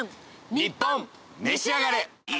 『ニッポンめしあがれ』。